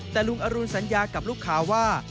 แต่ลุงอรุณสัญญากับลูกค้าว่า